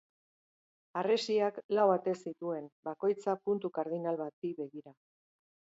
Harresiak lau ate zituen, bakoitza puntu kardinal bati begira.